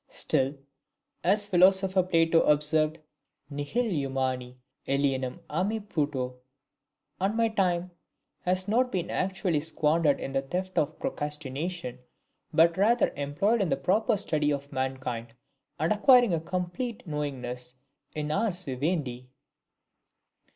Still, as Philosopher PLATO observed, "Nihil humani alienum a me puto," and my time has not been actually squandered in the theft of Procrastination, but rather employed in the proper study of Mankind, and acquiring a more complete knowingness in Ars Vivendi.